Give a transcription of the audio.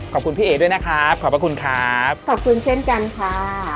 ขอบคุณพี่เอ๋ด้วยนะครับขอบพระคุณครับขอบคุณเช่นกันค่ะ